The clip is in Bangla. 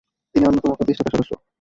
তিনি অন্যতম প্রতিষ্ঠাতা সদস্য।